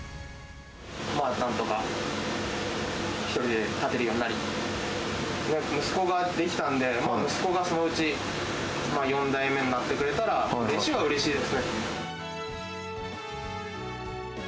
まあなんとか、１人で立てるようになり、息子ができたんで、息子がそのうち４代目になってくれたら、うれしいはうれしいです